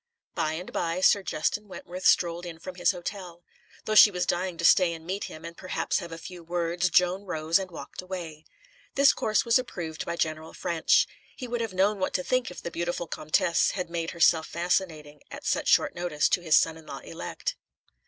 By and by, Sir Justin Wentworth strolled in from his hotel. Though she was dying to stay and meet him, and perhaps have a few words, Joan rose and walked away. This course was approved by General Ffrench. He would have known what to think if the beautiful Comtesse had made herself fascinating, at such short notice, to his son in law elect.